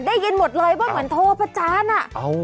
ได้ยินหมดเลยว่าเหมือนโทรประจานอ่ะ